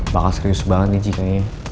bakal serius banget nih jika ini